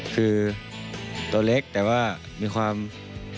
คือตัวเล็กแต่ว่ามีความ